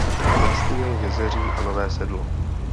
Vlastnil Jezeří a Nové Sedlo.